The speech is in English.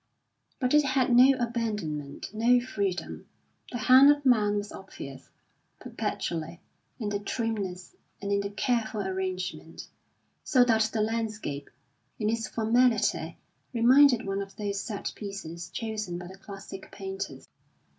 But it had no abandonment, no freedom; the hand of man was obvious, perpetually, in the trimness and in the careful arrangement, so that the landscape, in its formality, reminded one of those set pieces chosen by the classic painters.